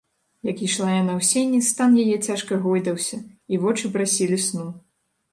Як ішла яна ў сені, стан яе цяжка гойдаўся, і вочы прасілі сну.